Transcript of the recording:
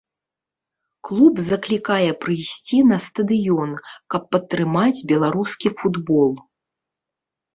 Клуб заклікае прыйсці на стадыён, каб падтрымаць беларускі футбол.